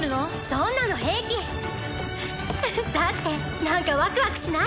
そんなの平気だってなんかわくわくしない？